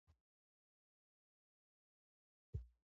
د پرانېستلو په ترڅ کې ډیرو دوستانو سره ولیدل.